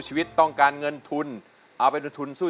เปลี่ยนเพลงเก่งของคุณและข้ามผิดได้๑คำ